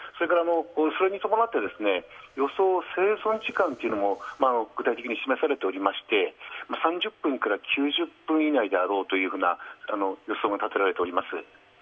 それに伴って予想生存時間も具体的に示されておりまして３０分から９０分以内であろうという予想が立てられております。